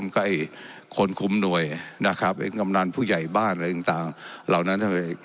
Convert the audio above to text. ก็ไอ้คนคุมหน่วยเอกกำลังผู้ใหญ่บ้านอะไรต่างเหล่านั้น